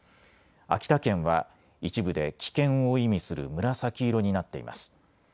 秋田県は一部で危険を意味する紫色になっています。